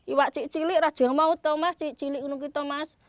iwak cik cilik ranjung mau tau mas cik cilik gitu mas